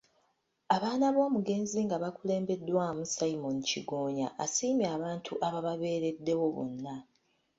Abaana b'omugenzi nga bakulembeddwamu, Simon Kigonya, asiimye abantu abababeereddewo bonna.